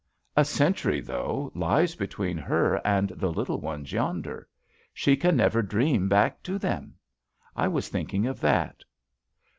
A century though lies between her and the little ones yonder. She can never dream back to them. I was thinking of that."